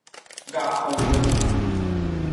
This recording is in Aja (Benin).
Gaxonu.